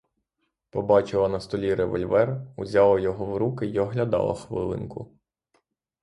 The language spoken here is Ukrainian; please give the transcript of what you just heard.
Побачила на столі револьвер, узяла його в руки й оглядала хвилинку.